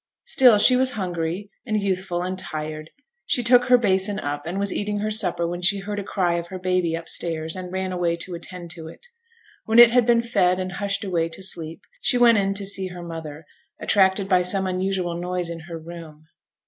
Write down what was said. Still she was hungry, and youthful, and tired. She took her basin up, and was eating her supper when she heard a cry of her baby upstairs, and ran away to attend to it. When it had been fed and hushed away to sleep, she went in to see her mother, attracted by some unusual noise in her room.